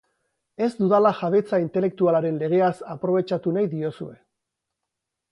Ez dudala jabetza intelektualaren legeaz aprobetxatu nahi diozue.